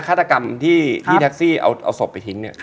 ฆาตกรรมที่แท็กซี่เอาศพไปทิ้ง